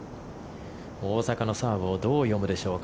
大坂のサーブをどう読むでしょうか。